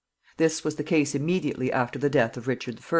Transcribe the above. This was the case immediately after the death of Richard I.